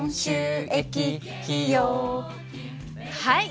はい。